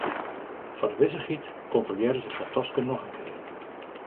Foar de wissichheid kontrolearre sy har taske noch in kear.